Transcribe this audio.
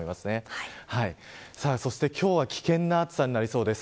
そして今日は危険な暑さになりそうです。